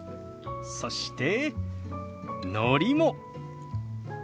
そしてのりも。